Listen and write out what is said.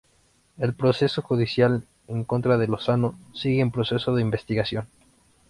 En el proceso judicial en contra de Lozano, sigue en proceso de investigación.